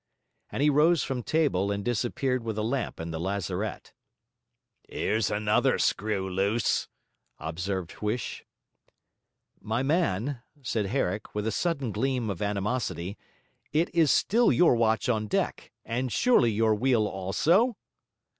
And he rose from table and disappeared with a lamp in the lazarette. ''Ere's another screw loose,' observed Huish. 'My man,' said Herrick, with a sudden gleam of animosity, 'it is still your watch on deck, and surely your wheel also?'